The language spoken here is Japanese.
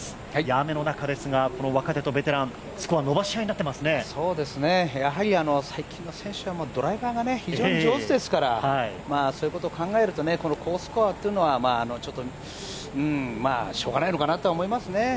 雨の中ですが若手とベテラン、スコア、伸ばし合いになってますねやはり最近の選手はドライバーが非常に上手ですからそういうことを考えるとこのスコアっていうのはしょうがないかなと思いますね。